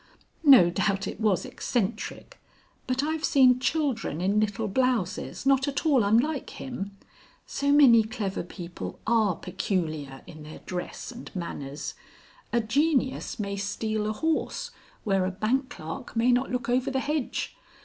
"No doubt it was eccentric. But I've seen children in little blouses, not at all unlike him. So many clever people are peculiar in their dress and manners. A genius may steal a horse where a bank clerk may not look over the hedge.